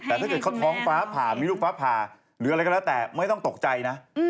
แต่ถ้าเกิดเขาท้องฟ้าผ่ามีลูกฟ้าผ่าหรืออะไรก็แล้วแต่ไม่ต้องตกใจนะ